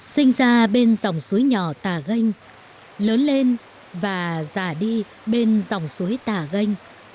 sinh ra bên dòng suối nhỏ tà gênh lớn lên và già đi bên dòng suối tà gênh